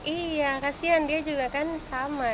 iya kasian dia juga kan sama